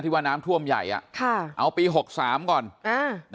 ว่าน้ำท่วมใหญ่อ่ะค่ะเอาปีหกสามก่อนอ่า